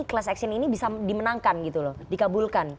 kelas aksin ini bisa dimenangkan gitu loh dikabulkan